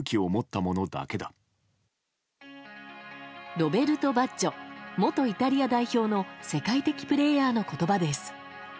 ロベルト・バッジョ元イタリア代表の世界的プレーヤーの言葉です。